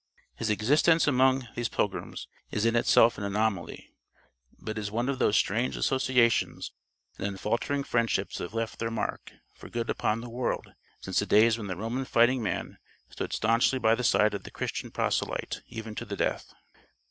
His existence among these Pilgrims is in itself an anomaly. But it is one of those strange associations and unfaltering friendships that have left their mark for good upon the world since the days when the Roman fighting man stood stanchly by the side of the Christian proselyte even to the death.